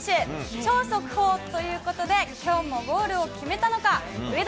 超速報ということで、きょうもゴールを決めたのか？